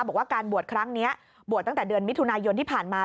บอกว่าการบวชครั้งนี้บวชตั้งแต่เดือนมิถุนายนที่ผ่านมา